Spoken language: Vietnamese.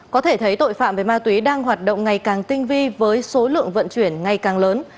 có thể thấy tội phạm về ma túy đang hoạt động ngày càng tinh vi với số lượng vận chuyển ngày càng lớn